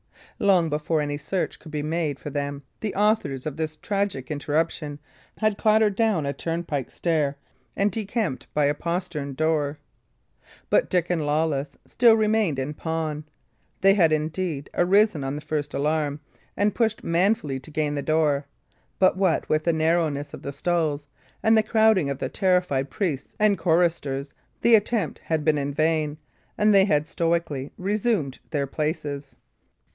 Long before any search could be made for them, the authors of this tragic interruption had clattered down a turnpike stair and decamped by a postern door. But Dick and Lawless still remained in pawn; they had, indeed, arisen on the first alarm, and pushed manfully to gain the door; but what with the narrowness of the stalls and the crowding of terrified priests and choristers, the attempt had been in vain, and they had stoically resumed their places.